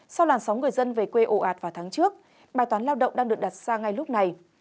sau làn sóng người dân về quê ồ ạt vào tháng trước bài toán lao động đang được đặt ra ngay lúc này